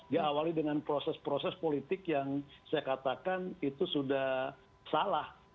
diawali dengan proses proses politik yang saya katakan itu sudah salah